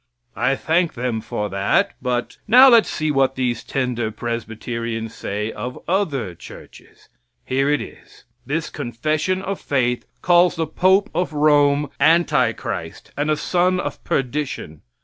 I thank them for that; but now let's see what these tender Presbyterians say of other churches. Here it is: This confession of faith calls the pope of Rome anti Christ and a son of perdition.